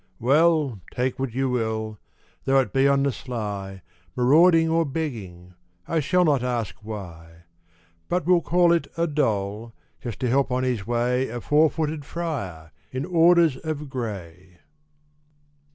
Well, take what you will, though it be on the sly, Marauding or begging, I shall not ask why, But will call it a dole, just to help on his way A four footed friar in orders of gray!